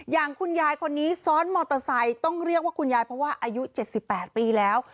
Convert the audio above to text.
อย่างคุณยายคนนี้ซ้อนมอเตอร์ไซค์ต้องเรียกว่าคุณยายเพราะว่าอายุ๗๘ปีแล้ว